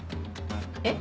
えっ？